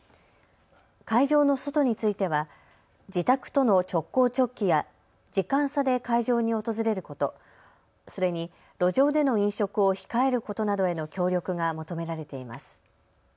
会場の外については自宅との直行直帰や時間差で会場に訪れること、それに路上での飲食を控えることなどへの協力が求められています。